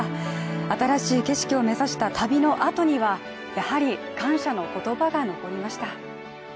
新しい景色を目指した旅のあとにはやはり感謝の言葉が残りました。